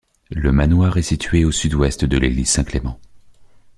Le manoir est situé au sud-ouest de l'église St Clement.